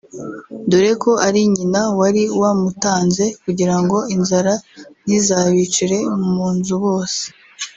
dore ko ari nyina wari wamutanze kugira ngo inzara ntizabicire mu nzu bose